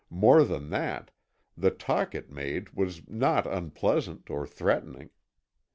More than that, the talk it made was not unpleasant, or threatening.